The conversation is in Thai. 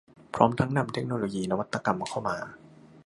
พร้อมทั้งนำเทคโนโลยีนวัตกรรมเข้ามา